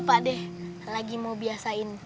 pak deh lagi mau biasain